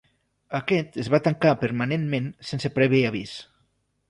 Aquest es va tancar permanentment sense previ avís.